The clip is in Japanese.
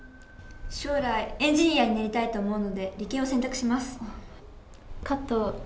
将来、エンジニアになりたいと思うので理系を選択します。